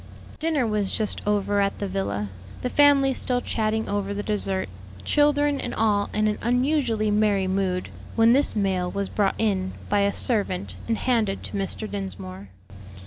Dinner was just over at the villa, the family still chatting over the dessert, children and all in an unusually merry mood, when this mail was brought in by a servant, and handed to Mr. Dinsmore.